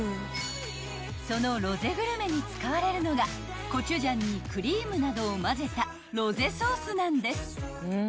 ［そのロゼグルメに使われるのがコチュジャンにクリームなどを混ぜたロゼソースなんです］